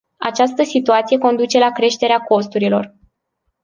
Această situație conduce la creșterea costurilor.